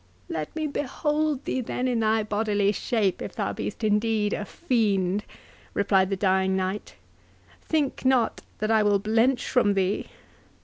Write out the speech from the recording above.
"Let me behold thee then in thy bodily shape, if thou be'st indeed a fiend," replied the dying knight; "think not that I will blench from thee.